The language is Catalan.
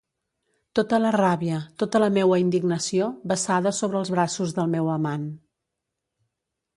Tota la ràbia, tota la meua indignació, vessada sobre els braços del meu amant.